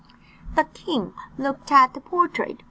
The king looked at the portrait.